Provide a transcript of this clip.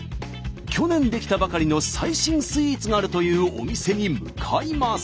去年出来たばかりの最新スイーツがあるというお店に向かいます。